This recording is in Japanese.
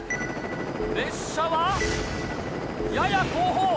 列車はやや後方。